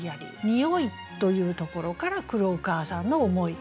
「におい」というところから来るお母さんの思い。